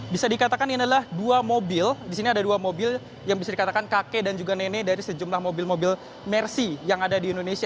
bisa dikatakan ini adalah dua mobil di sini ada dua mobil yang bisa dikatakan kakek dan juga nenek dari sejumlah mobil mobil mercy yang ada di indonesia